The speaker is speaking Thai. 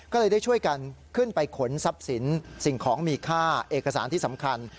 ก็เลยได้ช่วยกันขึ้นไปขนทรัพย์สินสิ่งของมีค่าเอกสารที่สำคัญ